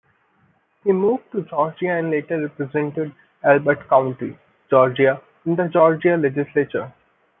He moved to Georgia and later represented Elbert County, Georgia, in the Georgia Legislature.